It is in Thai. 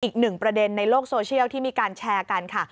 อีกหนึ่งประเด็นในโลกโซเชียลที่มีการแชร์กันค่ะ